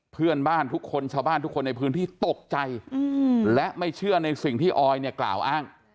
เพื่อนบ้านทุกคนชาวบ้านทุกคนในพื้นที่ตกใจและไม่เชื่อในสิ่งที่ออยเนี่ยกล่าวอ้าง